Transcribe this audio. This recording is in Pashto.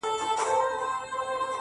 یوه ورځ راته دا فکر پیدا نه سو؛